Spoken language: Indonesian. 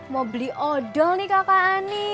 mau beli odol nih kakak ani